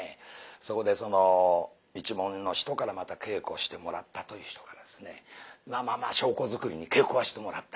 そこで一門の人からまた稽古してもらったという人がですねまあまあまあ証拠作りに稽古はしてもらったと。